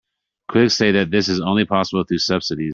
Critics say that this is only possible through subsidies.